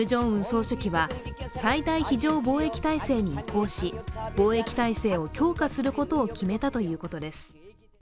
総書記は最大非常防疫体制に移行し防疫体制を強化することを決めたということです。